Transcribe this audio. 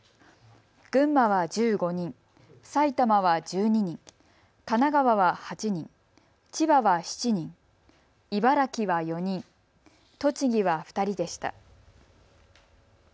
群馬は１５人、埼玉は１２人、神奈川は８人、千葉は７人、茨城は４人、栃木は２人でした。